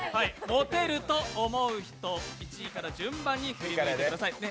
モテると思う人、１位から順番に振り向いてくださいね。